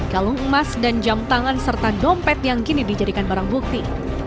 kalung emas dan jam tangan serta dompet yang kini dijadikan barang bukti